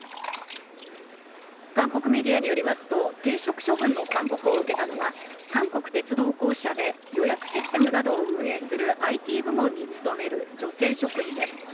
韓国メディアによりますと、停職処分の勧告を受けたのは、韓国鉄道公社で予約システムなどを運営するＩＴ部門に勤める女性職員です。